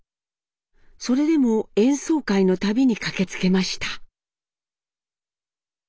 それでも演奏会の度に駆けつけました。